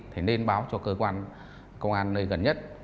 thì nên báo cho cơ quan công an nơi gần nhất